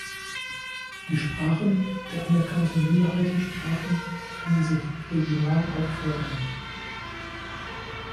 Die Sprachen der anerkannten Minderheitensprachen finden sich regional auch vorrangig.